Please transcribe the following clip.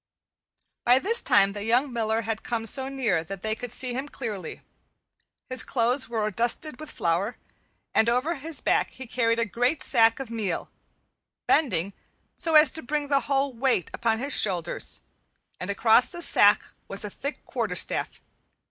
By this time the young miller had come so near that they could see him clearly. His clothes were dusted with flour, and over his back he carried a great sack of meal, bending so as to bring the whole weight upon his shoulders, and across the sack was a thick quarterstaff.